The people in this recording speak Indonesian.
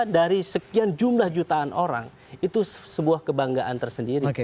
dari sekian jumlah jutaan orang itu sebuah kebanggaan tersendiri